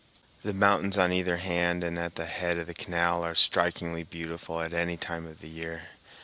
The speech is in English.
The mountains on either hand and at the head of the canal are strikingly beautiful at any time of the year.